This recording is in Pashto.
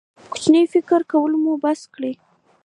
کوچنی فکر کول مو بس کړئ.